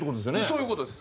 そういう事です。